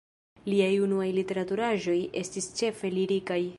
Liaj unuaj literaturaĵoj estis ĉefe lirikaj.